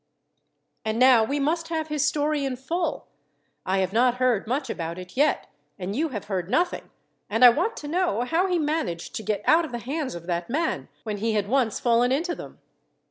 "And now we must have his story in full. I have not heard much about it yet, and you have heard nothing; and I want to know how he managed to get out of the hands of that man, when he had once fallen into them."